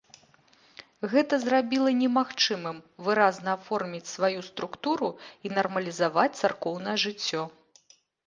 Гэта зрабіла немагчымым выразна аформіць сваю структуру і нармалізаваць царкоўнае жыццё.